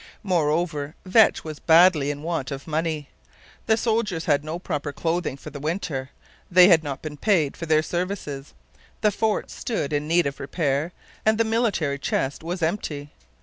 Moreover, Vetch was badly in want of money. The soldiers had no proper clothing for the winter; they had not been paid for their services; the fort stood in need of repair; and the military chest was empty.